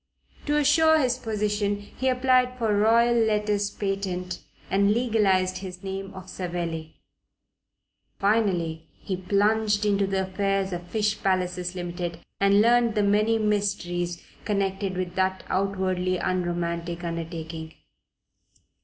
To assure his position he applied for Royal Letters Patent and legalized his name of Savelli, Finally, he plunged into the affairs of Fish Palaces Limited, and learned the many mysteries connected with that outwardly unromantic undertaking.